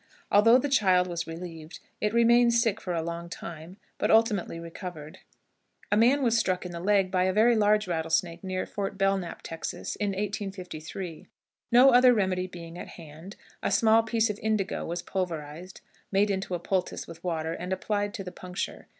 Although the child was relieved, it remained sick for a long time, but ultimately recovered. A man was struck in the leg by a very large rattlesnake near Fort Belknap, Texas, in 1853. No other remedy being at hand, a small piece of indigo was pulverized, made into a poultice with water, and applied to the puncture.